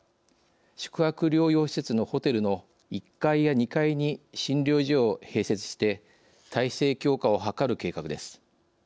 宿泊療養施設のホテルの１階や２階に診療所を併設して体制強化を図る計画です。